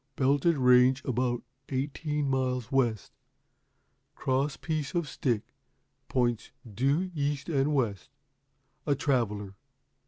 Belted Range about eighteen miles west. Cross piece on stick, points due east and west. A Traveler.'"